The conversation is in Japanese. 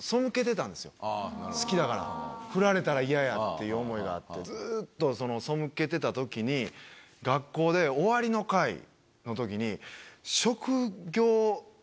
好きだからフラれたら嫌やっていう思いがあってずっと背けてたときに学校で終わりの会のときに。